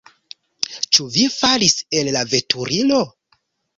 Ĉu vi falis el la veturilo?